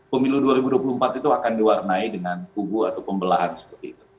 pemilu dua ribu dua puluh empat itu akan diwarnai dengan kubu atau pembelahan seperti itu